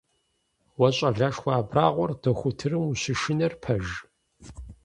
Уэ щӏалэшхуэ абрагъуэр дохутырым ущышынэр пэж?